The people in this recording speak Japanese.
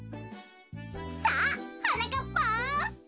さあはなかっぱん！